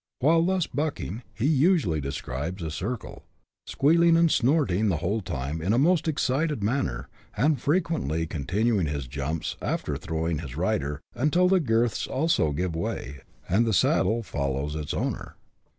While thus "bucking," he usually describes a circle, squealing and snorting the whole time in a most excited manner, and frequently continuing his jumps, after throwing his rider, until the girths also give way, and the saddle follows its owner.